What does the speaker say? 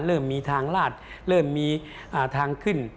เริ่มมีทางลาดเริ่มมีทางขึ้น